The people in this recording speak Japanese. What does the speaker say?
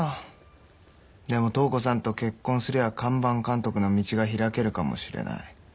でも塔子さんと結婚すりゃ看板監督の道が開けるかもしれない。